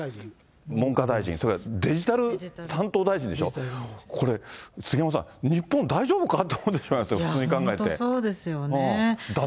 文科大臣、デジタル担当大臣でしょ、これ、杉山さん、日本、大丈夫かと思う、本当そうですよね。